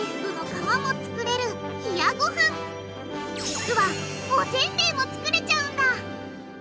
実はおせんべいも作れちゃうんだ！